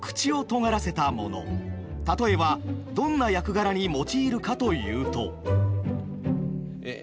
例えばどんな役柄に用いるかというと。